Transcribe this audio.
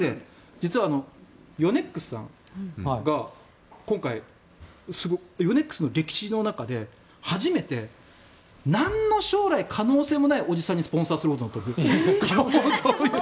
実はヨネックスさんがヨネックスの歴史の中で初めてなんの将来可能性もないおじさんにスポンサーすることになったんです。